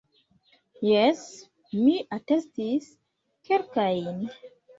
Jes, mi atestis kelkajn.